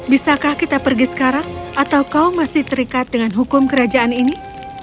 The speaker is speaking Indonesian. bisakah kita pergi sekarang atau kau masih terikat dengan hukum kerajaan ini